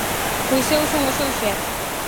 Pois eu son o seu xefe.